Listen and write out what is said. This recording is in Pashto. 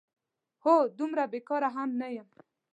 هو، دومره بېکاره هم نه یم؟!